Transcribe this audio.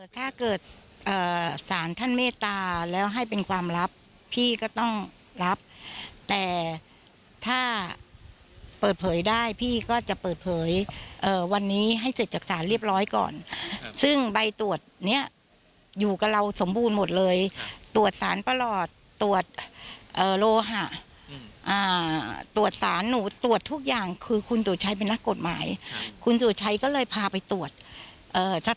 ถ้าเกิดสารท่านเมตตาแล้วให้เป็นความลับพี่ก็ต้องรับแต่ถ้าเปิดเผยได้พี่ก็จะเปิดเผยวันนี้ให้เสร็จจากศาลเรียบร้อยก่อนซึ่งใบตรวจเนี้ยอยู่กับเราสมบูรณ์หมดเลยตรวจสารประหลอดตรวจโลหะตรวจสารหนูตรวจทุกอย่างคือคุณสุชัยเป็นนักกฎหมายคุณสุชัยก็เลยพาไปตรวจเอ่อสัก